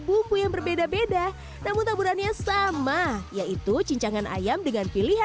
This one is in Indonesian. buah yang berbeda emocion kanda burana sama yaitu cincang hanya minum dengan false